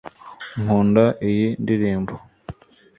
Nkunda iyi ndirimbo